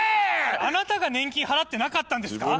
あなたが年金払ってなかったんですか？